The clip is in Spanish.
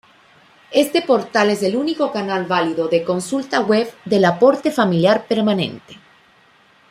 Este portal es el único canal válido de consulta web del Aporte Familiar Permanente.